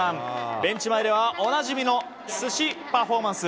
ベンチ前ではおなじみの寿司パフォーマンス。